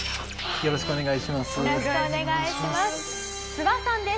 よろしくお願いします。